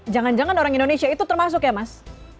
jangan jangan orang indonesia itu termasuk ya mas